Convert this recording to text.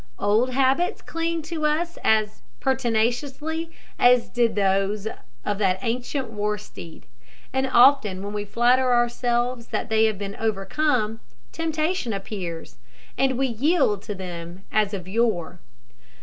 Old habits cling to us as pertinaciously as did those of that ancient war steed; and often when we flatter ourselves that they have been overcome, temptation appears, and we yield to them as of yore.